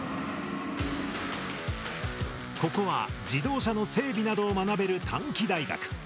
ここは自動車の整備などを学べる短期大学。